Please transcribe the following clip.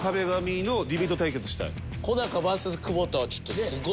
小高ＶＳ久保田はちょっとすごい。